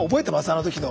あの時の。